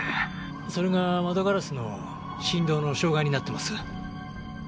それが窓ガラスの振動の障害になってます。